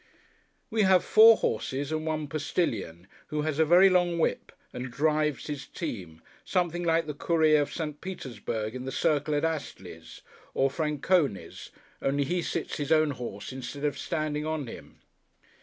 We have four horses, and one postilion, who has a very long whip, and drives his team, something like the Courier of Saint Petersburgh in the circle at Astley's or Franconi's: only he sits his own horse instead of standing on him.